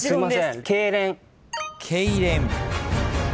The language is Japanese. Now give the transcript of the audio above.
けいれん。